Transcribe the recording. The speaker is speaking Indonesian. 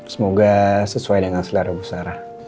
semoga sesuai dengan selera bu sarah